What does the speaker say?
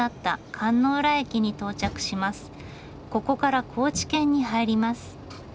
ここから高知県に入ります。